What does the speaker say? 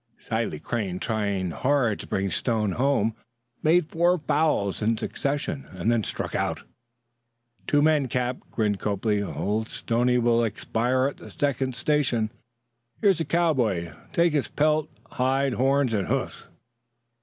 Sile Crane, trying hard to bring Stone home, made four fouls in succession, and then struck out. "Two men, cap," grinned Copley. "Old Stoney will expire at the second station. Here's the cowboy; take his pelt, hide, horns and hoofs."